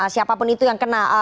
siapapun itu yang kena